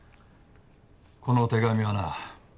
この手紙はな